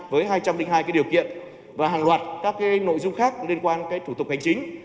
với hai trăm linh hai cái điều kiện và hàng loạt các cái nội dung khác liên quan cái thủ tục hành chính